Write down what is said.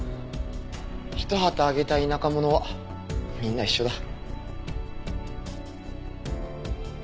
一旗揚げた田舎者はみんな一緒だ。